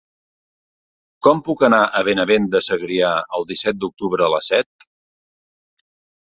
Com puc anar a Benavent de Segrià el disset d'octubre a les set?